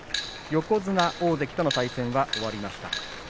横綱、大関との対戦は終わりました。